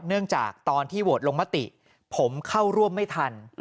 เนื่องจากตอนที่โหวตลงมติผมเข้าร่วมไม่ทัน